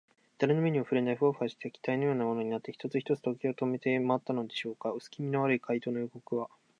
だれの目にもふれない、フワフワした気体のようなものになって、一つ一つ時計を止めてまわったのでしょうか。うすきみの悪い怪盗の予告は、